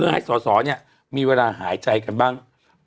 ให้สอสอเนี่ยมีเวลาหายใจกันบ้าง